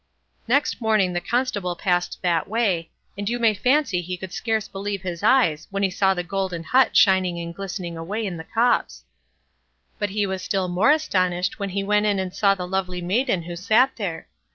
Next morning the Constable passed that way, and you may fancy he could scarce believe his eyes when he saw the golden hut shining and glistening away in the copse; but he was still more astonished when he went in and saw the lovely maiden who sat there.